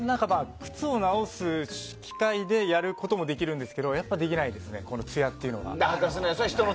靴を直す機械でやることもできるんですけどやっぱりできないですねつやというのは。